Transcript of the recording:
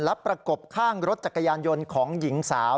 และประกบข้างรถจักรยานยนต์ของหญิงสาว